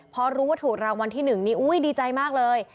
พอรู้ว่าถูกรางวัลที่๑นี่อุ้ยดีใจมากเลย